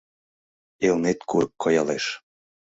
Элнет курык коялеш.